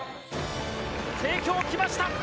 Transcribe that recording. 帝京がきました。